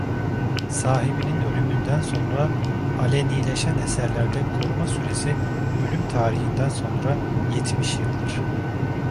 Sahibinin ölümünden sonra alenileşen eserlerde koruma süresi ölüm tarihinden sonra yetmiş yıldır.